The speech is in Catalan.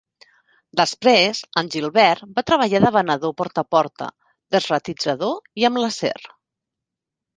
Després, en Gilbert va treballar de venedor porta a porta, desratitzador i amb l'acer.